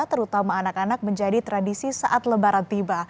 terutama anak anak menjadi tradisi saat lebaran tiba